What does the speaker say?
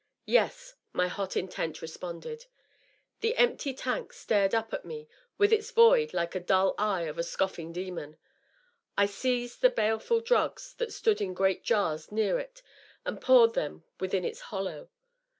^Yes,' my hot intent responded. The empty tank stared up at me with its void like the dull eye of a. scoffing demon. I seized the baleful drugs that stood in great jars near it and poured them within its hollow.